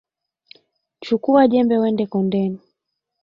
Chukuwa jembe wende kondeni.